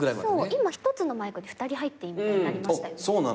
今１つのマイクで２人入っていいみたいになりましたよね。